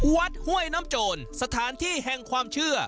ห้วยน้ำโจรสถานที่แห่งความเชื่อ